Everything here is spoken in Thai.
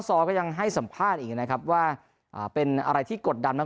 ซอก็ยังให้สัมภาษณ์อีกนะครับว่าเป็นอะไรที่กดดันมาก